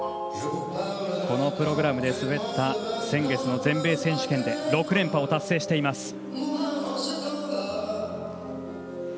このプログラムで滑った先月の全米選手権で６連覇を達成しています。